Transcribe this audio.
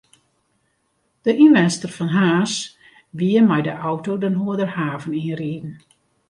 De ynwenster fan Harns wie mei de auto de Noarderhaven yn riden.